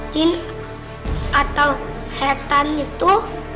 jin atau setan itu